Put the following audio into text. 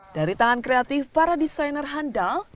dari tangan kreatif para desainer handal